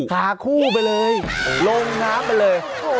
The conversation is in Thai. ขาคู่ไปเลยลงน้ำไปเลย